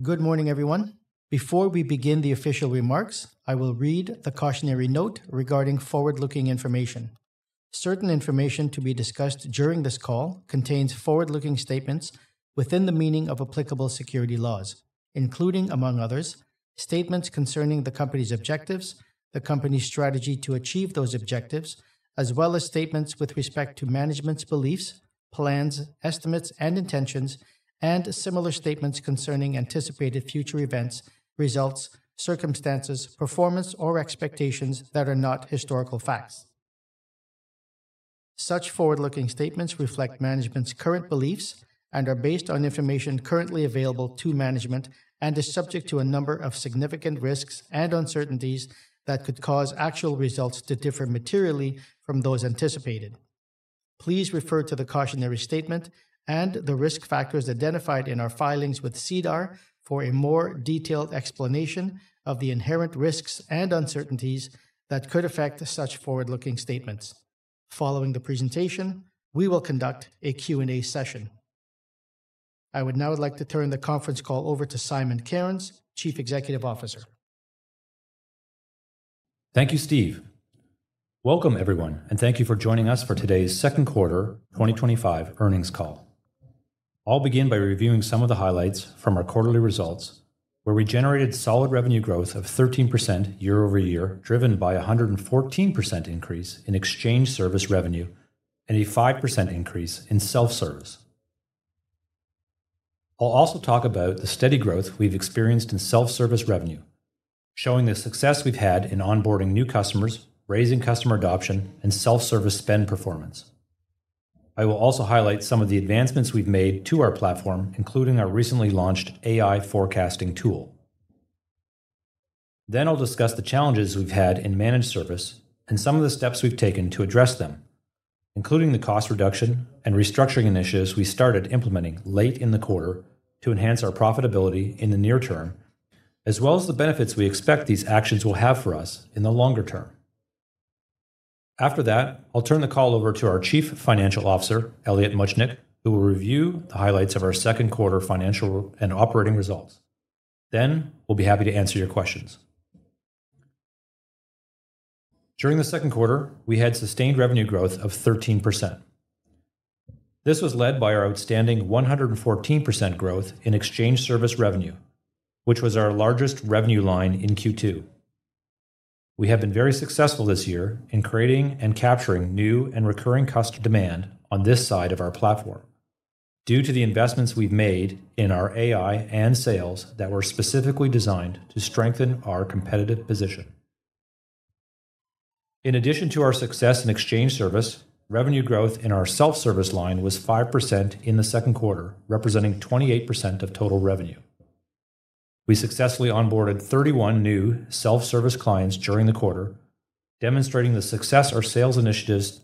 Good morning, everyone. Before we begin the official remarks, I will read the cautionary note regarding forward-looking information. Certain information to be discussed during this call contains forward-looking statements within the meaning of applicable security laws, including, among others, statements concerning the company's objectives, the company's strategy to achieve those objectives, as well as statements with respect to management's beliefs, plans, estimates, and intentions, and similar statements concerning anticipated future events, results, circumstances, performance, or expectations that are not historical facts. Such forward-looking statements reflect management's current beliefs and are based on information currently available to management and are subject to a number of significant risks and uncertainties that could cause actual results to differ materially from those anticipated. Please refer to the cautionary statement and the risk factors identified in our filings with SEDAR for a more detailed explanation of the inherent risks and uncertainties that could affect such forward-looking statements. Following the presentation, we will conduct a Q&A session. I would now like to turn the conference call over to Simon Cairns, Chief Executive Officer. Thank you, Steve. Welcome, everyone, and thank you for joining us for today's Second Quarter 2025 Earnings Call. I'll begin by reviewing some of the highlights from our quarterly results, where we generated solid revenue growth of 13% year-over-year, driven by a 114% increase in exchange service revenue and a 5% increase in self-service. I'll also talk about the steady growth we've experienced in self-service revenue, showing the success we've had in onboarding new customers, raising customer adoption, and self-service spend performance. I will also highlight some of the advancements we've made to our platform, including our recently launched AI-powered forecasting tool. I will discuss the challenges we've had in managed service and some of the steps we've taken to address them, including the cost reduction and restructuring initiatives we started implementing late in the quarter to enhance our profitability in the near term, as well as the benefits we expect these actions will have for us in the longer term. After that, I'll turn the call over to our Chief Financial Officer, Elliot Muchnik, who will review the highlights of our second quarter financial and operating results. We will be happy to answer your questions. During the second quarter, we had sustained revenue growth of 13%. This was led by our outstanding 114% growth in exchange service revenue, which was our largest revenue line in Q2. We have been very successful this year in creating and capturing new and recurring customer demand on this side of our platform, due to the investments we've made in our AI and sales that were specifically designed to strengthen our competitive position. In addition to our success in exchange service, revenue growth in our self-service line was 5% in the second quarter, representing 28% of total revenue. We successfully onboarded 31 new self-service clients during the quarter, demonstrating the success of our sales initiatives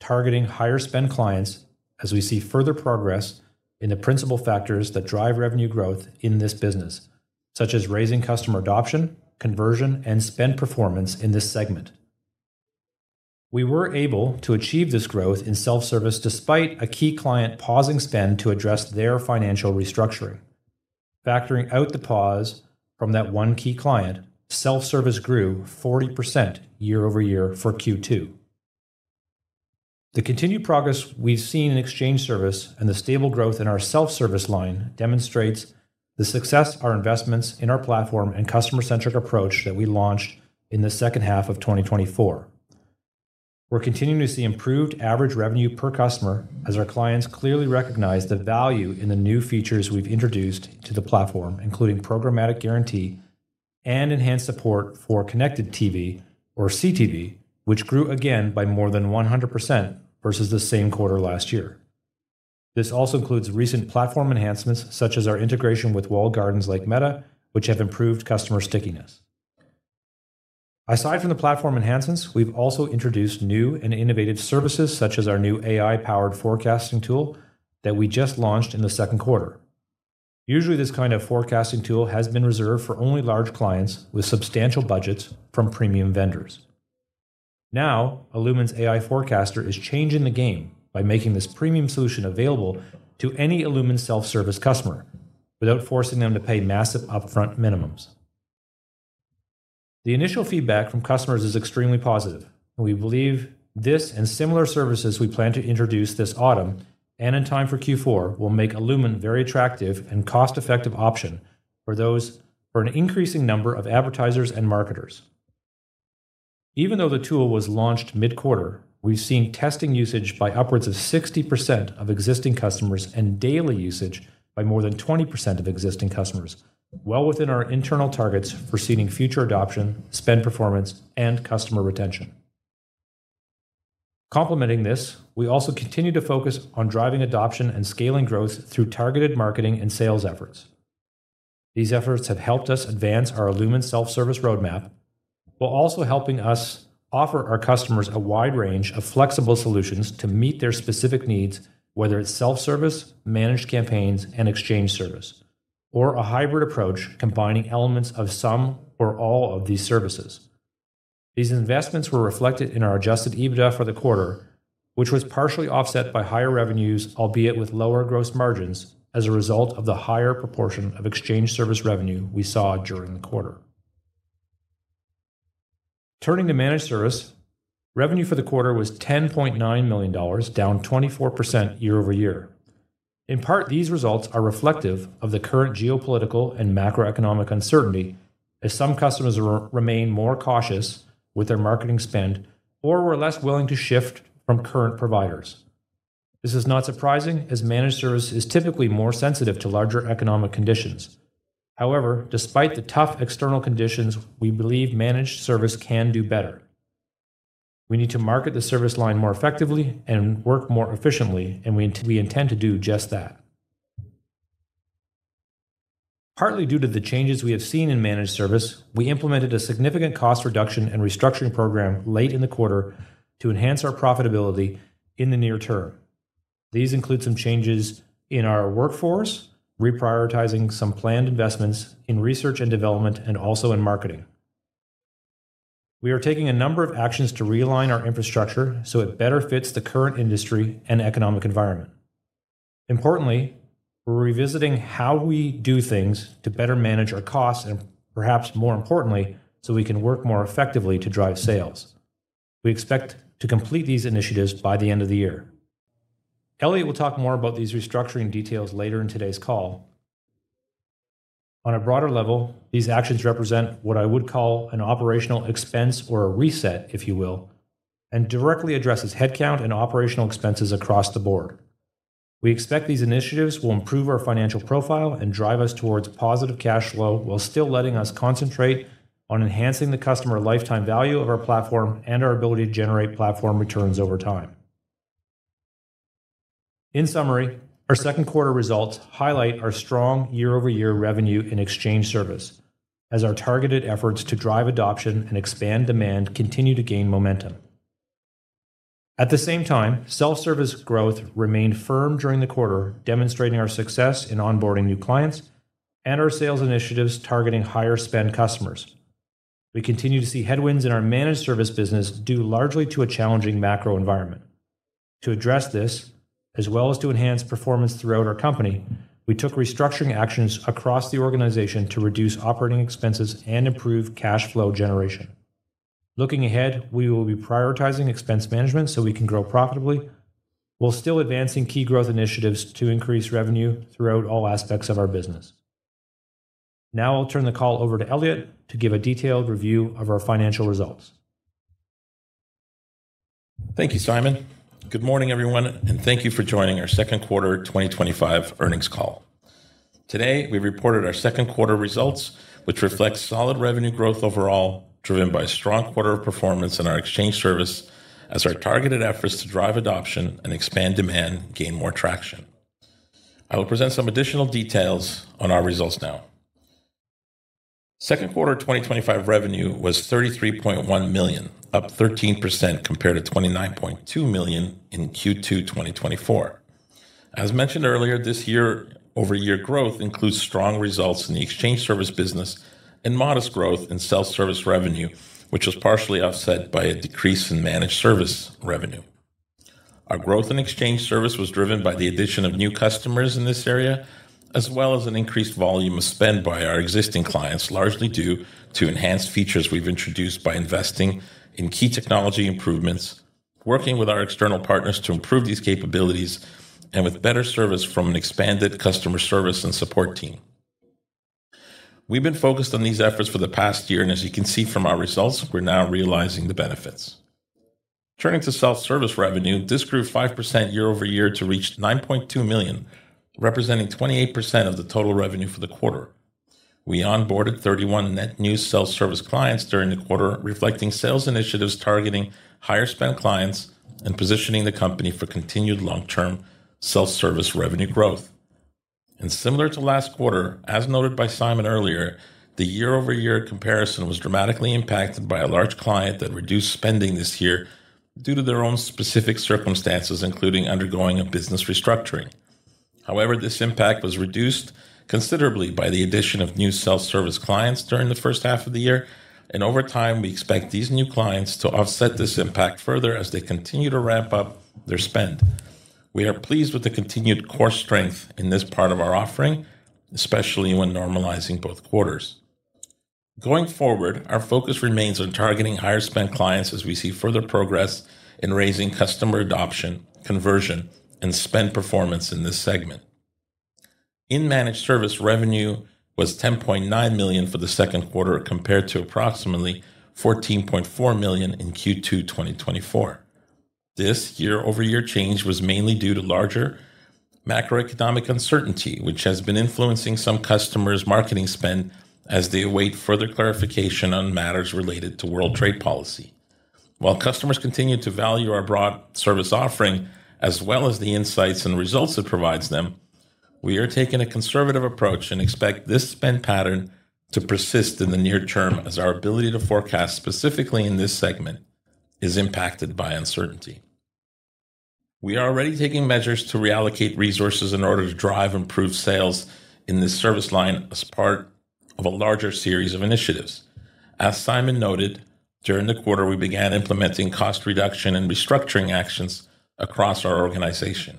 targeting higher spend clients as we see further progress in the principal factors that drive revenue growth in this business, such as raising customer adoption, conversion, and spend performance in this segment. We were able to achieve this growth in self-service despite a key client pausing spend to address their financial restructuring. Factoring out the pause from that one key client, self-service grew 40% year-over-year for Q2. The continued progress we've seen in exchange service and the stable growth in our self-service line demonstrate the success of our investments in our platform and customer-centric approach that we launched in the second half of 2024. We're continuing to see improved average revenue per customer as our clients clearly recognize the value in the new features we've introduced to the platform, including programmatic guarantee and enhanced support for connected TV, or CTV, which grew again by more than 100% versus the same quarter last year. This also includes recent platform enhancements such as our integration with walled gardens like Meta, which have improved customer stickiness. Aside from the platform enhancements, we've also introduced new and innovative services such as our new AI-powered forecasting tool that we just launched in the second quarter. Usually, this kind of forecasting tool has been reserved for only large clients with substantial budgets from premium vendors. Now, illumin's AI forecaster is changing the game by making this premium solution available to any illumin self-service customer without forcing them to pay massive upfront minimums. The initial feedback from customers is extremely positive, and we believe this and similar services we plan to introduce this autumn and in time for Q4 will make illumin a very attractive and cost-effective option for an increasing number of advertisers and marketers. Even though the tool was launched mid-quarter, we've seen testing usage by upwards of 60% of existing customers and daily usage by more than 20% of existing customers, well within our internal targets for seeing future adoption, spend performance, and customer retention. Complementing this, we also continue to focus on driving adoption and scaling growth through targeted marketing and sales efforts. These efforts have helped us advance our illumin self-service roadmap while also helping us offer our customers a wide range of flexible solutions to meet their specific needs, whether it's self-service, managed campaigns, and exchange service, or a hybrid approach combining elements of some or all of these services. These investments were reflected in our adjusted EBITDA for the quarter, which was partially offset by higher revenues, albeit with lower gross margins as a result of the higher proportion of exchange service revenue we saw during the quarter. Turning to managed service, revenue for the quarter was $10.9 million, down 24% year-over-year. In part, these results are reflective of the current geopolitical and macroeconomic uncertainty, as some customers remain more cautious with their marketing spend or were less willing to shift from current providers. This is not surprising, as managed service is typically more sensitive to larger economic conditions. However, despite the tough external conditions, we believe managed service can do better. We need to market the service line more effectively and work more efficiently, and we intend to do just that. Partly due to the changes we have seen in managed service, we implemented a significant cost reduction and restructuring program late in the quarter to enhance our profitability in the near term. These include some changes in our workforce, reprioritizing some planned investments in research and development, and also in marketing. We are taking a number of actions to realign our infrastructure so it better fits the current industry and economic environment. Importantly, we're revisiting how we do things to better manage our costs and, perhaps more importantly, so we can work more effectively to drive sales. We expect to complete these initiatives by the end of the year. Elliot will talk more about these restructuring details later in today's call. On a broader level, these actions represent what I would call an operational expense or a reset, if you will, and directly address headcount and operational expenses across the board. We expect these initiatives will improve our financial profile and drive us towards positive cash flow while still letting us concentrate on enhancing the customer lifetime value of our platform and our ability to generate platform returns over time. In summary, our second quarter results highlight our strong year-over-year revenue in exchange service, as our targeted efforts to drive adoption and expand demand continue to gain momentum. At the same time, self-service growth remained firm during the quarter, demonstrating our success in onboarding new clients and our sales initiatives targeting higher spend customers. We continue to see headwinds in our managed service business, due largely to a challenging macro environment. To address this, as well as to enhance performance throughout our company, we took restructuring actions across the organization to reduce operating expenses and improve cash flow generation. Looking ahead, we will be prioritizing expense management so we can grow profitably while still advancing key growth initiatives to increase revenue throughout all aspects of our business. Now I'll turn the call over to Elliot to give a detailed review of our financial results. Thank you, Simon. Good morning, everyone, and thank you for joining our Second Quarter 2025 Earnings Call. Today, we reported our second quarter results, which reflect solid revenue growth overall, driven by strong quarter performance in our exchange service, as our targeted efforts to drive adoption and expand demand gain more traction. I will present some additional details on our results now. Second quarter 2025 revenue was $33.1 million, up 13% compared to $29.2 million in Q2 2024. As mentioned earlier, this year-over-year growth includes strong results in the exchange service business and modest growth in self-service revenue, which was partially offset by a decrease in managed service revenue. Our growth in exchange service was driven by the addition of new customers in this area, as well as an increased volume of spend by our existing clients, largely due to enhanced features we've introduced by investing in key technology improvements, working with our external partners to improve these capabilities, and with better service from an expanded customer service and support team. We've been focused on these efforts for the past year, and as you can see from our results, we're now realizing the benefits. Turning to self-service revenue, this grew 5% year-over-year to reach $9.2 million, representing 28% of the total revenue for the quarter. We onboarded 31 new self-service clients during the quarter, reflecting sales initiatives targeting higher spend clients and positioning the company for continued long-term self-service revenue growth. Similar to last quarter, as noted by Simon earlier, the year-over-year comparison was dramatically impacted by a large client that reduced spending this year due to their own specific circumstances, including undergoing a business restructuring. However, this impact was reduced considerably by the addition of new self-service clients during the first half of the year, and over time, we expect these new clients to offset this impact further as they continue to ramp up their spend. We are pleased with the continued core strength in this part of our offering, especially when normalizing both quarters. Going forward, our focus remains on targeting higher spend clients as we see further progress in raising customer adoption, conversion, and spend performance in this segment. In managed service, revenue was $10.9 million for the second quarter compared to approximately $14.4 million in Q2 2024. This year-over-year change was mainly due to larger macroeconomic uncertainty, which has been influencing some customers' marketing spend as they await further clarification on matters related to world trade policy. While customers continue to value our broad service offering, as well as the insights and results it provides them, we are taking a conservative approach and expect this spend pattern to persist in the near term as our ability to forecast specifically in this segment is impacted by uncertainty. We are already taking measures to reallocate resources in order to drive improved sales in this service line as part of a larger series of initiatives. As Simon noted, during the quarter, we began implementing cost reduction and restructuring actions across our organization.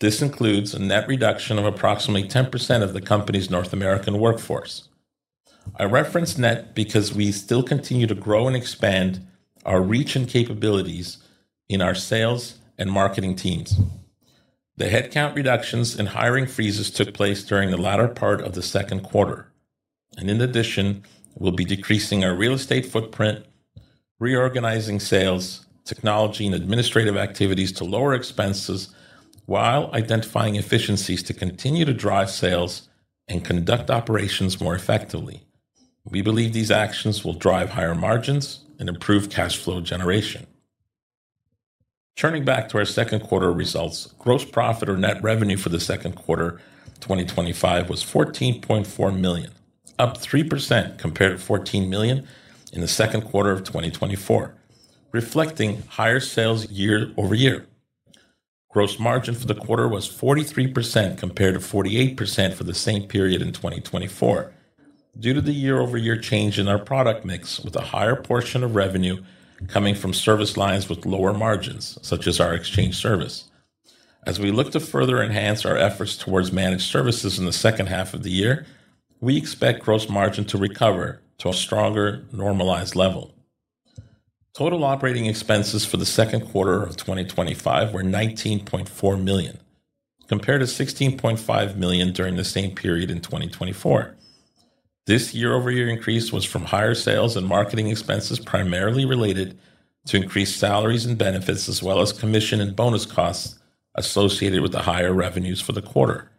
This includes a net reduction of approximately 10% of the company's North American workforce. I referenced net because we still continue to grow and expand our reach and capabilities in our sales and marketing teams. The headcount reductions and hiring freezes took place during the latter part of the second quarter, and in addition, we'll be decreasing our real estate footprint, reorganizing sales, technology, and administrative activities to lower expenses while identifying efficiencies to continue to drive sales and conduct operations more effectively. We believe these actions will drive higher margins and improve cash flow generation. Turning back to our second quarter results, gross profit or net revenue for the second quarter 2025 was $14.4 million, up 3% compared to $14 million in the second quarter of 2024, reflecting higher sales year-over-year. Gross margin for the quarter was 43% compared to 48% for the same period in 2024, due to the year-over-year change in our product mix with a higher portion of revenue coming from service lines with lower margins, such as our exchange service. As we look to further enhance our efforts towards managed services in the second half of the year, we expect gross margin to recover to a stronger normalized level. Total operating expenses for the second quarter of 2025 were $19.4 million, compared to $16.5 million during the same period in 2024. This year-over-year increase was from higher sales and marketing expenses, primarily related to increased salaries and benefits, as well as commission and bonus costs associated with the higher revenues for the quarter.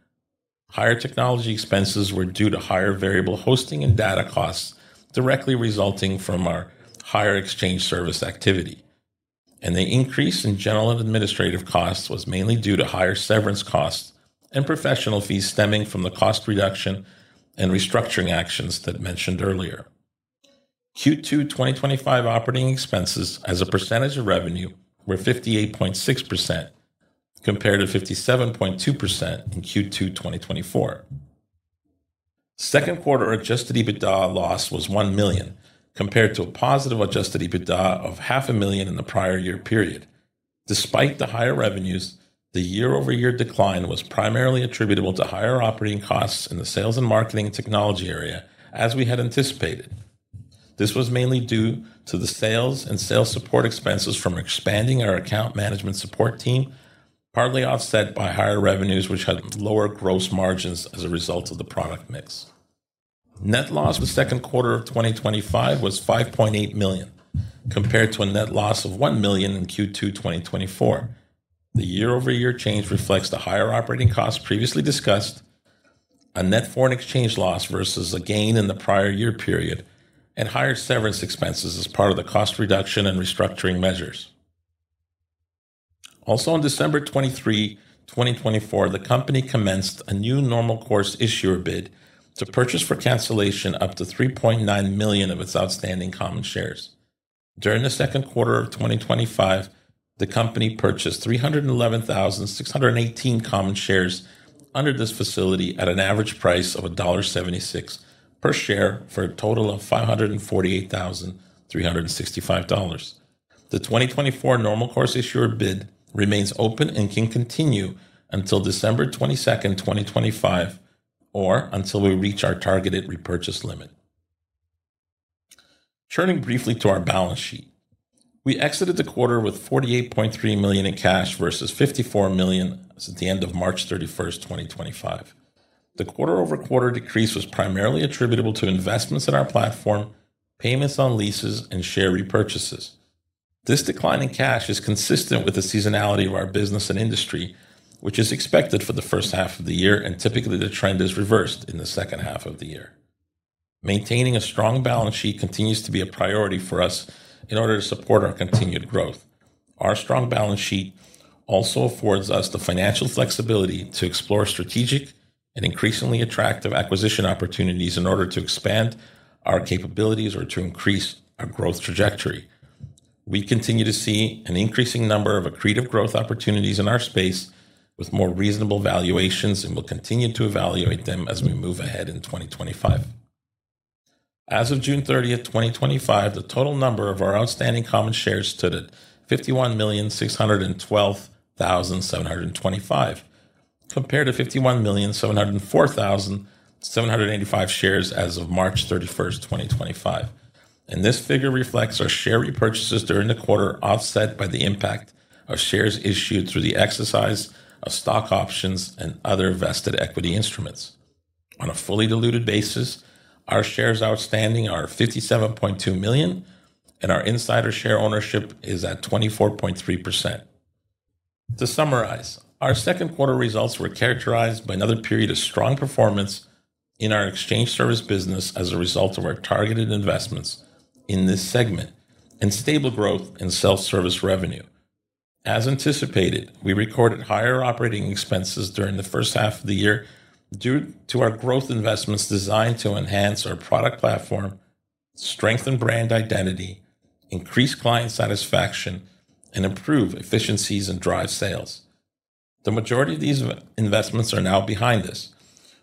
Higher technology expenses were due to higher variable hosting and data costs directly resulting from our higher exchange service activity, and the increase in general and administrative costs was mainly due to higher severance costs and professional fees stemming from the cost reduction and restructuring actions that I mentioned earlier. Q2 2025 operating expenses as a percentage of revenue were 58.6% compared to 57.2% in Q2 2024. Second quarter adjusted EBITDA loss was $1 million, compared to a positive adjusted EBITDA of $0.5 million in the prior year period. Despite the higher revenues, the year-over-year decline was primarily attributable to higher operating costs in the sales and marketing and technology area, as we had anticipated. This was mainly due to the sales and sales support expenses from expanding our account management support team, partly offset by higher revenues which had lower gross margins as a result of the product mix. Net loss for the second quarter of 2025 was $5.8 million, compared to a net loss of $1 million in Q2 2024. The year-over-year change reflects the higher operating costs previously discussed, a net foreign exchange loss versus a gain in the prior year period, and higher severance expenses as part of the cost reduction and restructuring measures. Also, on December 23, 2024, the company commenced a new normal course issuer bid to purchase for cancellation up to $3.9 million of its outstanding common shares. During the second quarter of 2025, the company purchased 311,618 common shares under this facility at an average price of $1.76 per share for a total of $548,365. The 2024 normal course issuer bid remains open and can continue until December 22nd, 2025, or until we reach our targeted repurchase limit. Turning briefly to our balance sheet, we exited the quarter with $48.3 million in cash versus $54 million at the end of March 31, 2025. The quarter-over-quarter decrease was primarily attributable to investments in our platform, payments on leases, and share repurchases. This decline in cash is consistent with the seasonality of our business and industry, which is expected for the first half of the year, and typically the trend is reversed in the second half of the year. Maintaining a strong balance sheet continues to be a priority for us in order to support our continued growth. Our strong balance sheet also affords us the financial flexibility to explore strategic and increasingly attractive acquisition opportunities in order to expand our capabilities or to increase our growth trajectory. We continue to see an increasing number of accretive growth opportunities in our space with more reasonable valuations and will continue to evaluate them as we move ahead in 2025. As of June 30th, 2025, the total number of our outstanding common shares stood at 51,612,725, compared to 51,704,785 shares as of March 31st, 2025. This figure reflects our share repurchases during the quarter offset by the impact of shares issued through the exercise of stock options and other vested equity instruments. On a fully diluted basis, our shares outstanding are $57.2 million, and our insider share ownership is at 24.3%. To summarize, our second quarter results were characterized by another period of strong performance in our exchange service business as a result of our targeted investments in this segment and stable growth in self-service revenue. As anticipated, we recorded higher operating expenses during the first half of the year due to our growth investments designed to enhance our product platform, strengthen brand identity, increase client satisfaction, and improve efficiencies and drive sales. The majority of these investments are now behind us,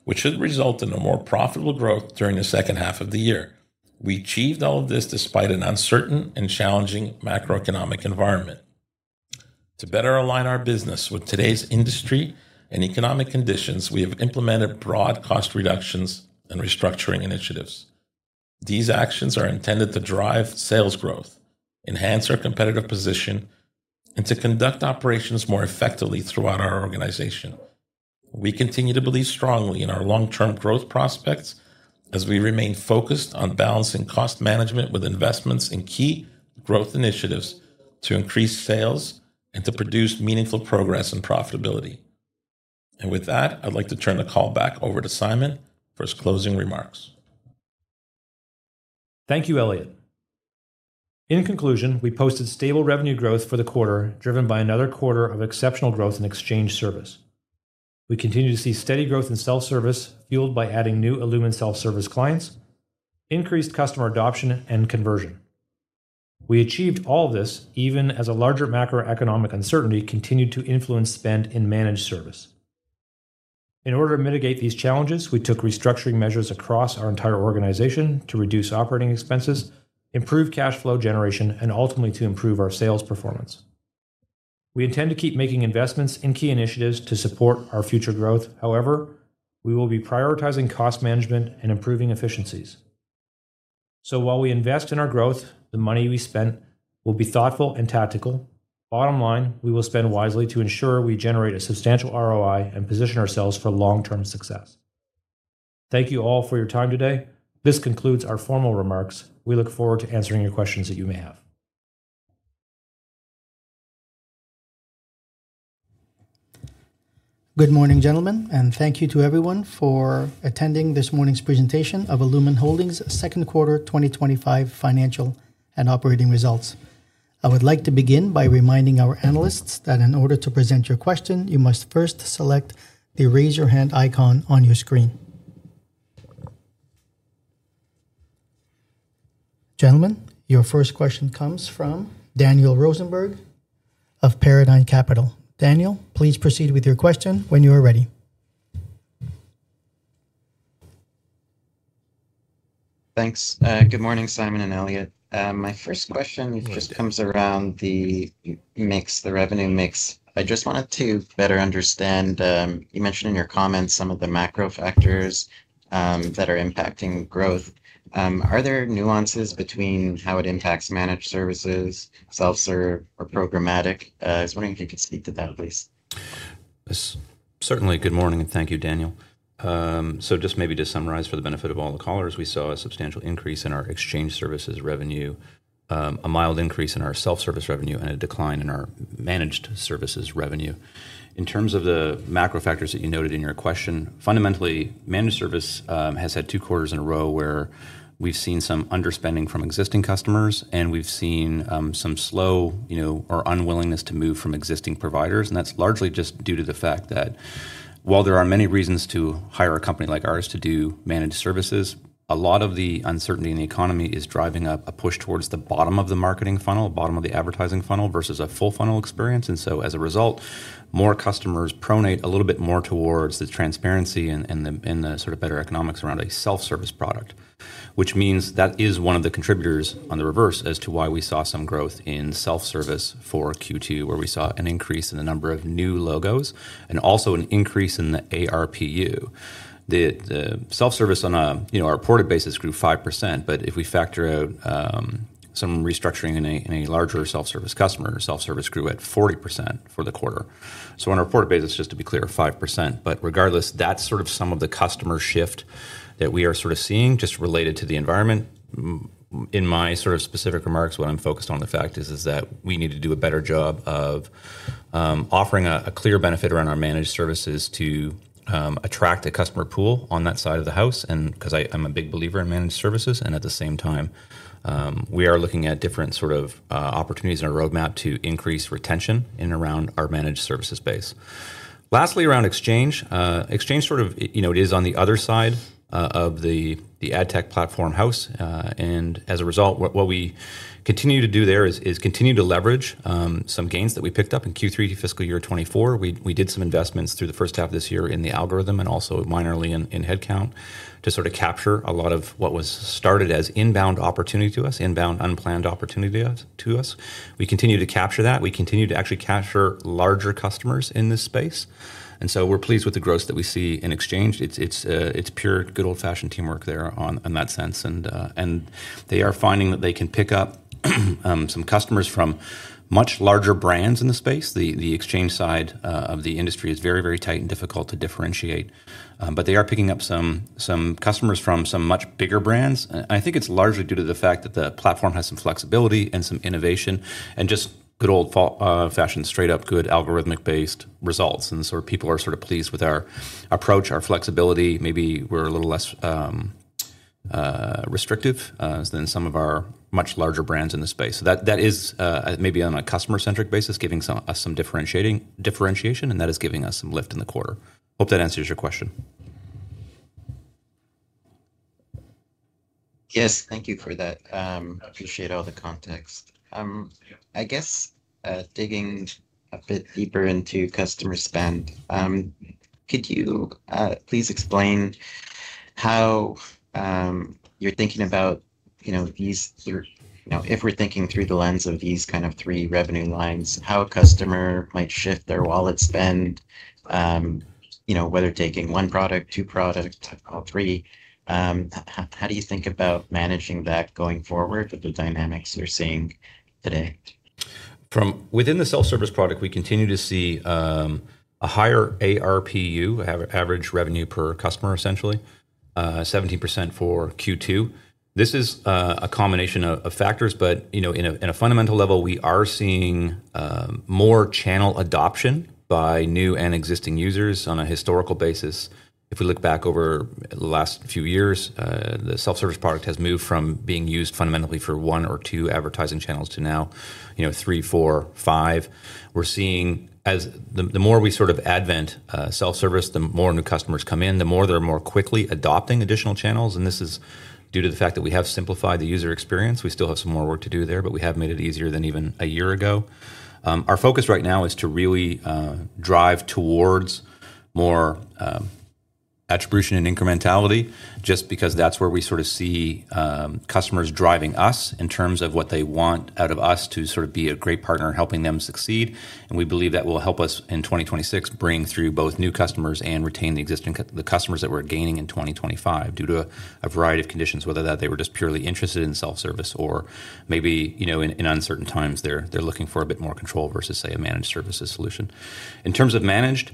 which should result in a more profitable growth during the second half of the year. We achieved all of this despite an uncertain and challenging macroeconomic environment. To better align our business with today's industry and economic conditions, we have implemented broad cost reductions and restructuring initiatives. These actions are intended to drive sales growth, enhance our competitive position, and to conduct operations more effectively throughout our organization. We continue to believe strongly in our long-term growth prospects as we remain focused on balancing cost management with investments in key growth initiatives to increase sales and to produce meaningful progress and profitability. I'd like to turn the call back over to Simon for his closing remarks. Thank you, Elliot. In conclusion, we posted stable revenue growth for the quarter, driven by another quarter of exceptional growth in exchange service. We continue to see steady growth in self-service, fueled by adding new illumin self-service clients, increased customer adoption, and conversion. We achieved all of this even as a larger macroeconomic uncertainty continued to influence spend in managed service. In order to mitigate these challenges, we took restructuring measures across our entire organization to reduce operating expenses, improve cash flow generation, and ultimately to improve our sales performance. We intend to keep making investments in key initiatives to support our future growth. However, we will be prioritizing cost management and improving efficiencies. While we invest in our growth, the money we spend will be thoughtful and tactical. Bottom line, we will spend wisely to ensure we generate a substantial ROI and position ourselves for long-term success. Thank you all for your time today. This concludes our formal remarks. We look forward to answering your questions that you may have. Good morning, gentlemen, and thank you to everyone for attending this morning's presentation of illumin Holdings Inc.'s second quarter 2025 financial and operating results. I would like to begin by reminding our analysts that in order to present your question, you must first select the raise your hand icon on your screen. Gentlemen, your first question comes from Daniel Rosenberg of Paradigm Capital. Daniel, please proceed with your question when you are ready. Thanks. Good morning, Simon and Elliot. My first question just comes around the revenue mix. I just wanted to better understand, you mentioned in your comments some of the macro factors that are impacting growth. Are there nuances between how it impacts managed service, self-service, or programmatic? I was wondering if you could speak to that, please. Certainly, good morning and thank you, Daniel. Just maybe to summarize for the benefit of all the callers, we saw a substantial increase in our exchange service revenue, a mild increase in our self-service revenue, and a decline in our managed service revenue. In terms of the macro factors that you noted in your question, fundamentally, managed service has had two quarters in a row where we've seen some underspending from existing customers and we've seen some slow or unwillingness to move from existing providers. That's largely just due to the fact that while there are many reasons to hire a company like ours to do managed service, a lot of the uncertainty in the economy is driving up a push towards the bottom of the marketing funnel, the bottom of the advertising funnel versus a full funnel experience. As a result, more customers pronate a little bit more towards the transparency and the sort of better economics around a self-service product, which means that is one of the contributors on the reverse as to why we saw some growth in self-service for Q2, where we saw an increase in the number of new logos and also an increase in the ARPU. The self-service on a reported basis grew 5%, but if we factor in some restructuring in a larger self-service customer, self-service grew at 40% for the quarter. On a reported basis, just to be clear, 5%. Regardless, that's sort of some of the customer shift that we are sort of seeing just related to the environment. In my specific remarks, what I'm focused on the fact is that we need to do a better job of offering a clear benefit around our managed service to attract a customer pool on that side of the house, because I'm a big believer in managed service. At the same time, we are looking at different sort of opportunities in our roadmap to increase retention in and around our managed service base. Lastly, around exchange, exchange is on the other side of the ad tech platform house. As a result, what we continue to do there is continue to leverage some gains that we picked up in Q3 fiscal year 2024. We did some investments through the first half of this year in the algorithm and also minorly in headcount to sort of capture a lot of what was started as inbound opportunity to us, inbound unplanned opportunity to us. We continue to capture that. We continue to actually capture larger customers in this space. We're pleased with the growth that we see in exchange. It's pure good old-fashioned teamwork there in that sense. They are finding that they can pick up some customers from much larger brands in the space. The exchange side of the industry is very, very tight and difficult to differentiate, but they are picking up some customers from some much bigger brands. I think it's largely due to the fact that the platform has some flexibility and some innovation and just good old-fashioned, straight up good algorithmic-based results. People are sort of pleased with our approach, our flexibility. Maybe we're a little less restrictive than some of our much larger brands in the space. That is maybe on a customer-centric basis, giving us some differentiation, and that is giving us some lift in the quarter. Hope that answers your question. Yes, thank you for that. Appreciate all the context. I guess digging a bit deeper into customer spend, could you please explain how you're thinking about, you know, if we're thinking through the lens of these kind of three revenue lines, how a customer might shift their wallet spend, whether taking one product, two products, all three. How do you think about managing that going forward with the dynamics you're seeing today? From within the self-service product, we continue to see a higher ARPU, average revenue per customer, essentially 70% for Q2. This is a combination of factors, but on a fundamental level, we are seeing more channel adoption by new and existing users on a historical basis. If we look back over the last few years, the self-service product has moved from being used fundamentally for one or two advertising channels to now, three, four, five. We're seeing as the more we sort of advent self-service, the more new customers come in, the more they're more quickly adopting additional channels. This is due to the fact that we have simplified the user experience. We still have some more work to do there, but we have made it easier than even a year ago. Our focus right now is to really drive towards more attribution and incrementality, just because that's where we sort of see customers driving us in terms of what they want out of us to sort of be a great partner in helping them succeed. We believe that will help us in 2026 bring through both new customers and retain the existing customers that we're gaining in 2025 due to a variety of conditions, whether that they were just purely interested in self-service or maybe, in uncertain times, they're looking for a bit more control versus, say, a managed services solution. In terms of managed,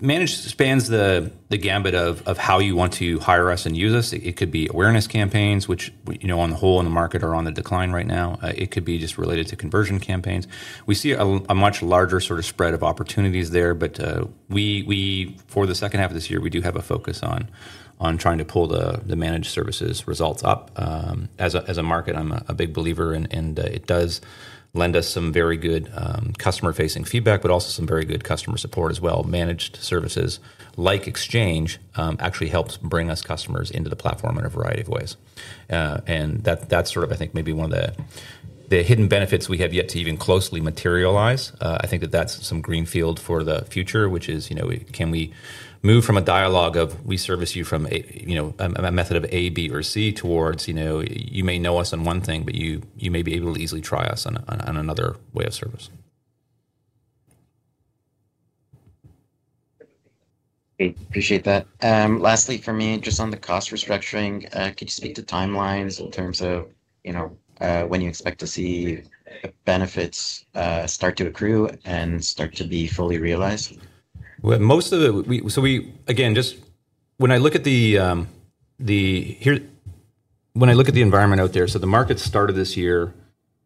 managed spans the gambit of how you want to hire us and use us. It could be awareness campaigns, which, on the whole in the market are on the decline right now. It could be just related to conversion campaigns. We see a much larger sort of spread of opportunities there, but for the second half of this year, we do have a focus on trying to pull the managed services results up. As a market, I'm a big believer, and it does lend us some very good customer-facing feedback, but also some very good customer support as well. Managed services like exchange actually helps bring us customers into the platform in a variety of ways. That's sort of, I think, maybe one of the hidden benefits we have yet to even closely materialize. I think that that's some greenfield for the future, which is, can we move from a dialogue of we service you from a method of A, B, or C towards, you may know us on one thing, but you may be able to easily try us on another way of service. Appreciate that. Lastly, for me, just on the cost restructuring, could you speak to timelines in terms of when you expect to see the benefits start to accrue and start to be fully realized? Most of it, so we, again, just when I look at the environment out there, the market started this year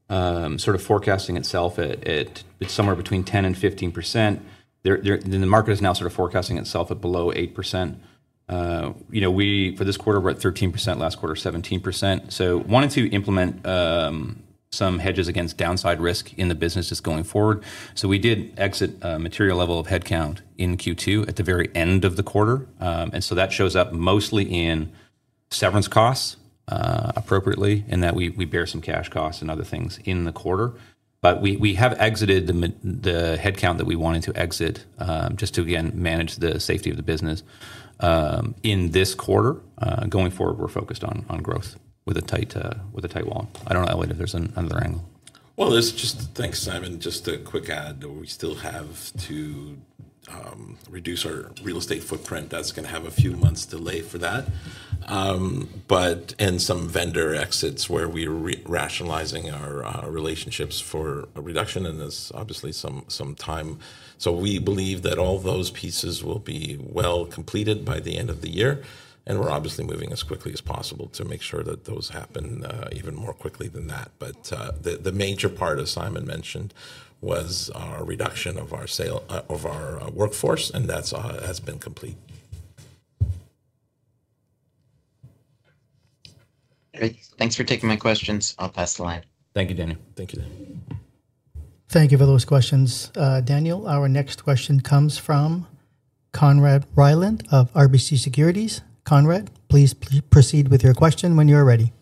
sort of forecasting itself at somewhere between 10% and 15%. The market is now sort of forecasting itself at below 8%. You know, for this quarter, we're at 13%, last quarter 17%. Wanted to implement some hedges against downside risk in the business that's going forward. We did exit a material level of headcount in Q2 at the very end of the quarter. That shows up mostly in severance costs appropriately, in that we bear some cash costs and other things in the quarter. We have exited the headcount that we wanted to exit just to, again, manage the safety of the business. In this quarter, going forward, we're focused on growth with a tight, with a tight wall. I don't know, Elliot, if there's another angle. Thanks, Simon. Just a quick add, we still have to reduce our real estate footprint. That's going to have a few months delay for that, and some vendor exits where we're rationalizing our relationships for a reduction in this, obviously some time. We believe that all those pieces will be well completed by the end of the year. We're obviously moving as quickly as possible to make sure that those happen even more quickly than that. The major part, as Simon mentioned, was our reduction of our workforce, and that has been complete. Great. Thanks for taking my questions. I'll pass the line. Thank you, Daniel. Thank you, Daniel. Thank you for those questions. Daniel, our next question comes from Conrad Ryland of RBC Securities. Conrad, please proceed with your question when you're ready.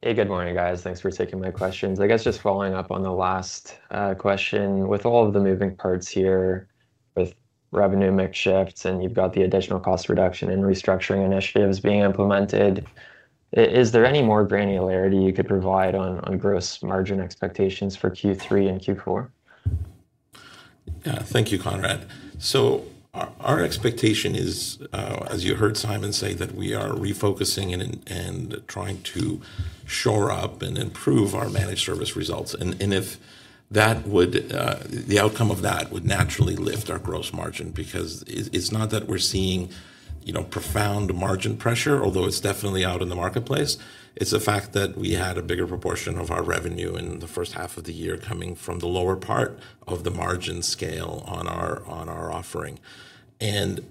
Hey, good morning, guys. Thanks for taking my questions. I guess just following up on the last question, with all of the moving parts here, with revenue mix shifts, and you've got the additional cost reduction and restructuring initiatives being implemented, is there any more granularity you could provide on gross margin expectations for Q3 and Q4? Thank you, Conrad. Our expectation is, as you heard Simon say, that we are refocusing and trying to shore up and improve our managed service results. If that would, the outcome of that would naturally lift our gross margin because it's not that we're seeing, you know, profound margin pressure, although it's definitely out in the marketplace. It's the fact that we had a bigger proportion of our revenue in the first half of the year coming from the lower part of the margin scale on our offering. As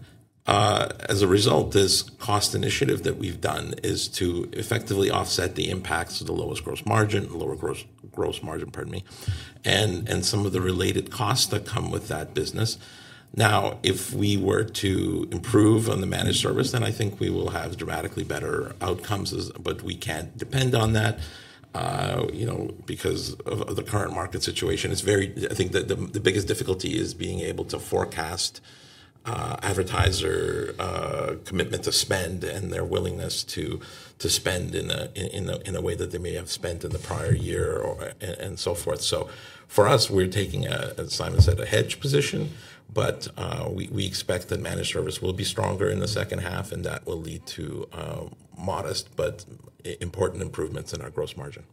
a result, this cost initiative that we've done is to effectively offset the impacts of the lowest gross margin, the lower gross margin, pardon me, and some of the related costs that come with that business. If we were to improve on the managed service, then I think we will have dramatically better outcomes, but we can't depend on that, you know, because of the current market situation. I think the biggest difficulty is being able to forecast advertiser commitment to spend and their willingness to spend in a way that they may have spent in the prior year and so forth. For us, we're taking a, as Simon said, a hedge position, but we expect that managed service will be stronger in the second half, and that will lead to modest but important improvements in our gross margin.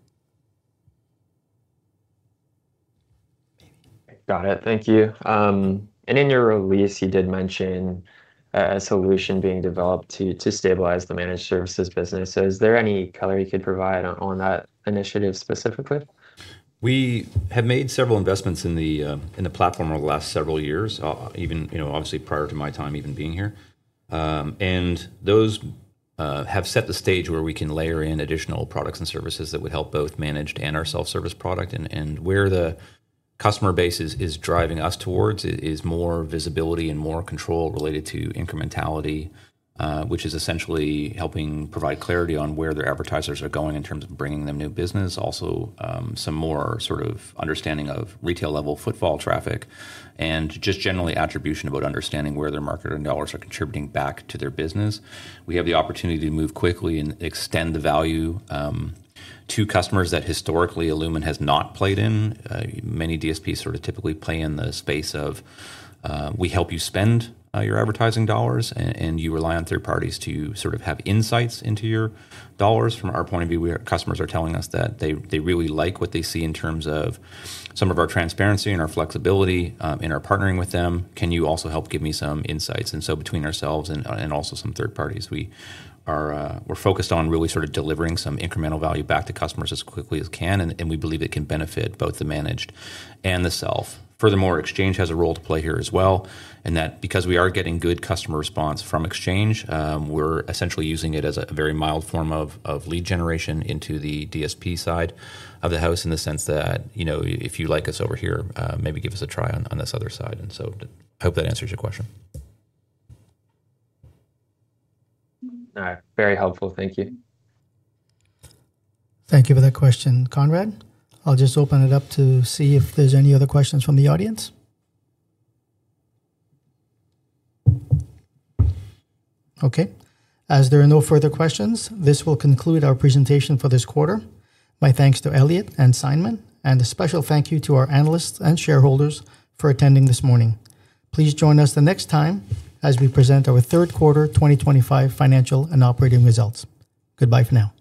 Got it. Thank you. In your release, you did mention a solution being developed to stabilize the managed service business. Is there any color you could provide on that initiative specifically? We have made several investments in the platform over the last several years, even, you know, obviously prior to my time even being here. Those have set the stage where we can layer in additional products and services that would help both managed and our self-service product. Where the customer base is driving us towards is more visibility and more control related to incrementality, which is essentially helping provide clarity on where their advertisers are going in terms of bringing them new business. Also, some more sort of understanding of retail level footfall traffic and just generally attribution about understanding where their marketing dollars are contributing back to their business. We have the opportunity to move quickly and extend the value to customers that historically illumin Holdings Inc. has not played in. Many DSPs typically play in the space of we help you spend your advertising dollars and you rely on third parties to have insights into your dollars. From our point of view, customers are telling us that they really like what they see in terms of some of our transparency and our flexibility in our partnering with them. Can you also help give me some insights? Between ourselves and also some third parties, we are focused on really delivering some incremental value back to customers as quickly as we can. We believe it can benefit both the managed and the self. Furthermore, exchange has a role to play here as well. Because we are getting good customer response from exchange, we're essentially using it as a very mild form of lead generation into the DSP side of the house in the sense that, you know, if you like us over here, maybe give us a try on this other side. I hope that answers your question. Very helpful. Thank you. Thank you for that question, Conrad. I'll just open it up to see if there's any other questions from the audience. Okay. As there are no further questions, this will conclude our presentation for this quarter. My thanks to Elliot and Simon Cairns, and a special thank you to our analysts and shareholders for attending this morning. Please join us the next time as we present our Third Quarter 2025 Financial and Operating Results. Goodbye for now.